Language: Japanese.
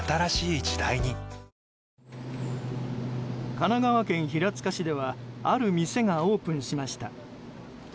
神奈川県平塚市ではある店がオープンしました。